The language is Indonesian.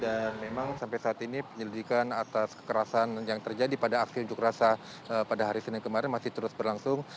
dan memang sampai saat ini penyelidikan atas kekerasan yang terjadi pada aksi unjuk rasa pada hari senin kemarin masih terus berlangsung